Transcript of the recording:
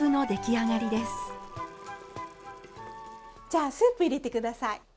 じゃあスープ入れて下さい。